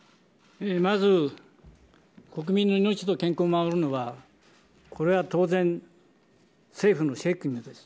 まず国民の命と健康を守るのは、これは当然、政府の責務です。